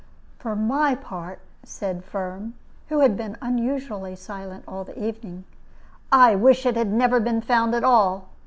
"For my part," said Firm, who had been unusually silent all the evening, "I wish it had never been found at all.